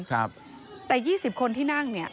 แต่๒๐คนที่นั่งเนี่ย